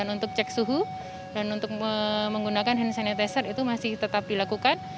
untuk cek suhu dan untuk menggunakan hand sanitizer itu masih tetap dilakukan